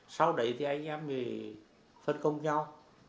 sau đấy thì anh em thì phân công nhau